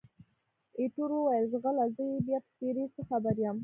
ایټور وویل، ځغله! زه یې بیا په څېرې څه خبر یم؟